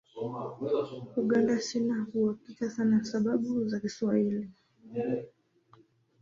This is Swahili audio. Uganda sina uhakika sana sababu za kiswahili